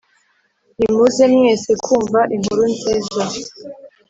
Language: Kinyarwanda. Nimuze mwese kumva inkuru nziza